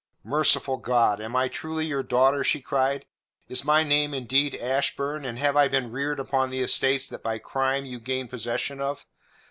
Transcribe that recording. Merciful God! am I truly your daughter?" she cried. "Is my name indeed Ashburn, and have I been reared upon the estates that by crime you gained possession of?